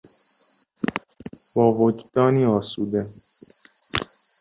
با وجدانی آسوده